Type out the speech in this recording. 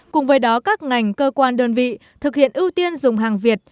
cùng với đó các ngành cơ quan đơn vị thực hiện ưu tiên dùng hàng việt